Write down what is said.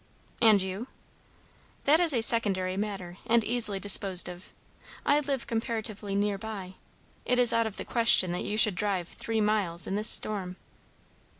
"And you?" "That is a secondary matter and easily disposed of. I live comparatively near by. It is out of the question that you should drive three miles in this storm."